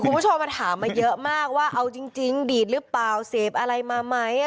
คุณผู้ชมมาถามมาเยอะมากว่าเอาจริงดีดหรือเปล่าเสพอะไรมาไหม